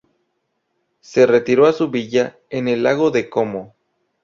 Se retiró a su villa en el Lago de Como.